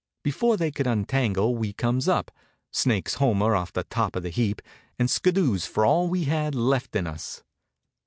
Before they could untangle we comes up, snakes Homer off the top of the heap, and skiddoos for all we had left in us.